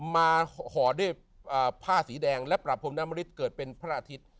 ห่อด้วยผ้าสีแดงและปรับพรมน้ำมริตเกิดเป็นพระอาทิตย์